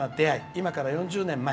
今から４０年前。